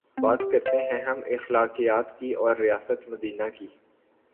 بات کرتے ہیں ہم اخلاقیات کی اورریاست مدینہ کی